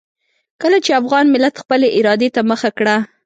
کله چې افغان ملت خپلې ارادې ته مخه کړه.